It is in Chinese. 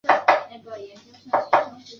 归国后任绥远都统公署秘书长。